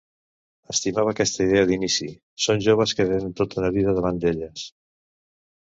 Estimava aquesta idea d'inici, són joves que tenen tota una vida davant d'elles.